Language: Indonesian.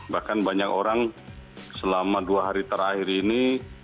bahkan banyak orang selama dua hari terakhir ini